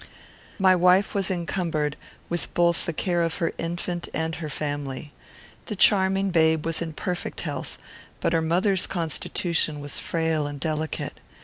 My wife was encumbered with the care both of her infant and her family. The charming babe was in perfect health, but her mother's constitution was frail and delicate.